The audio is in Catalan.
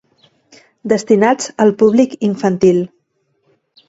Destinats al públic infantil.